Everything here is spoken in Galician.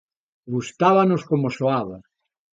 Gustábanos como soaba.